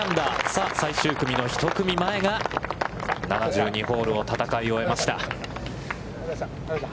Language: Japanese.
さあ、最終組の１組前が７２ホールを戦い終えました。